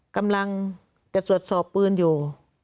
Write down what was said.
กำลังจะตรวจสอบปืนอยู่